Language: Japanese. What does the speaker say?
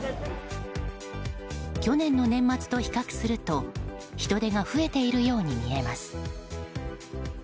去年の年末と比較すると人出が増えているように見えます。